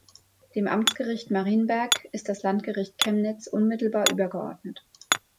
Dem Amtsgericht Marienberg ist das Landgericht Chemnitz unmittelbar übergeordnet.